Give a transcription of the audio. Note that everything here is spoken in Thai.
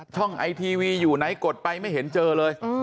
ไอทีวีอยู่ไหนกดไปไม่เห็นเจอเลย